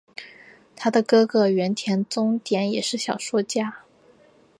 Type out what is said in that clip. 她的哥哥原田宗典也是小说家。